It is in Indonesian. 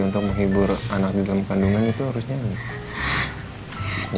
untuk menghibur anak di dalam kandungan itu harus nyanyi